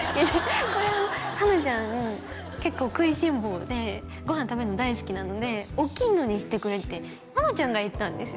これあのハナちゃん結構食いしん坊でご飯食べるの大好きなので大きいのにしてくれってハナちゃんが言ったんですよ